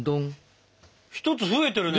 １つ増えてるね